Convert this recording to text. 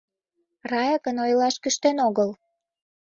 Рая гын ойлаш кӱштен огыл.